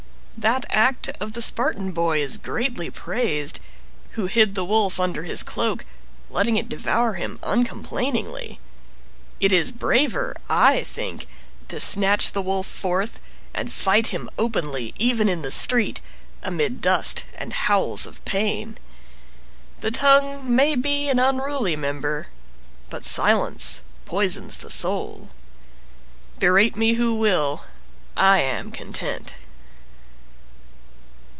That act of the Spartan boy is greatly praised, Who hid the wolf under his cloak, Letting it devour him, uncomplainingly. It is braver, I think, to snatch the wolf forth And fight him openly, even in the street, Amid dust and howls of pain. The tongue may be an unruly member— But silence poisons the soul. Berate me who will—I am content.